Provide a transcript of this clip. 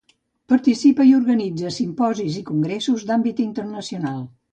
Participa i organitza simposis i congressos d'àmbit internacional.